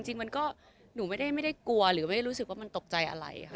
จริงมันก็หนูไม่ได้กลัวหรือไม่ได้รู้สึกว่ามันตกใจอะไรค่ะ